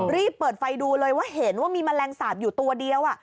รีบเปิดไฟดูเลยว่าเห็นว่ามีแมลงสาปอยู่ตัวเดียว